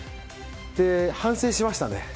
反省しましたね。